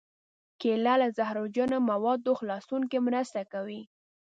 کېله له زهرجنو موادو خلاصون کې مرسته کوي.